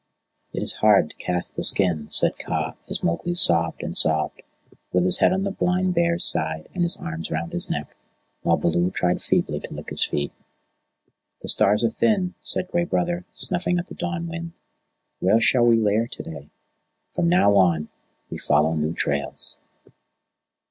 "It is hard to cast the skin," said Kaa as Mowgli sobbed and sobbed, with his head on the blind bear's side and his arms round his neck, while Baloo tried feebly to lick his feet. "The stars are thin," said Gray Brother, snuffing at the dawn wind. "Where shall we lair to day? for from now, we follow new trails."